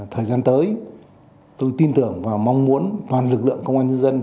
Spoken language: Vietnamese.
thời gian tới tôi tin tưởng và mong muốn toàn lực lượng công an nhân dân